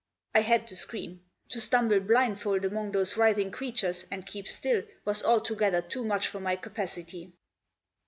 I had to scream; to stumble blindfold among those writhing creatures, and keep still, was altogether too much for my capacity.